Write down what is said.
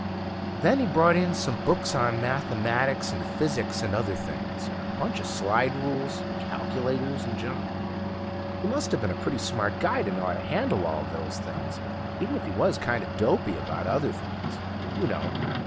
Then he brought in some books on mathematics and physics and other things, and a bunch of slide rules, calculators, and junk. He musta been a pretty smart guy to know how to handle all those things, even if he was kinda dopey about other things. You know